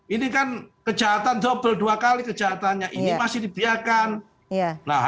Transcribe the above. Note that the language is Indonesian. ini kan kejahatan dobel dua kali kejahatannya ini masih dibiarkan